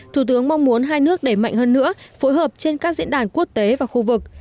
thủ tướng mong muốn hai nước đẩy mạnh hơn nữa phối hợp trên các diễn đàn quốc tế và khu vực